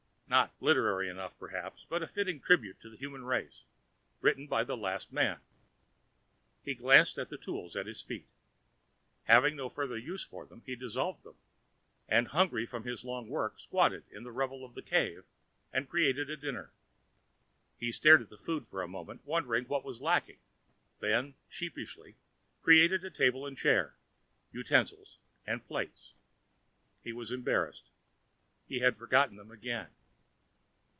Not literary enough, perhaps, but a fitting tribute to the human race, written by the last man. He glanced at the tools at his feet. Having no further use for them, he dissolved them, and, hungry from his long work, squatted in the rubble of the cave and created a dinner. He stared at the food for a moment, wondering what was lacking; then, sheepishly, created a table and chair, utensils and plates. He was embarrassed. He had forgotten them again.